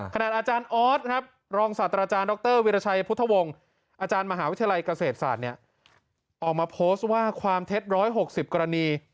อาจารย์ออสครับรองศาสตราจารย์ดรวิรชัยพุทธวงศ์อาจารย์มหาวิทยาลัยเกษตรศาสตร์เนี่ยออกมาโพสต์ว่าความเท็จ๑๖๐กรณี